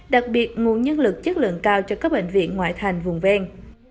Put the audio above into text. đặc biệt nguồn nhân lực chất lượng cao cho các bệnh viện ngoại thành vùng ven